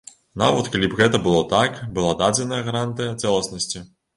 Нават калі б гэта было так, была дадзена гарантыя цэласнасці.